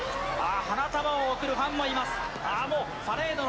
花束を贈るファンもいます。